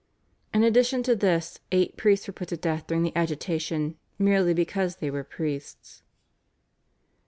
In addition to this eight priests were put to death during the agitation merely because they were priests.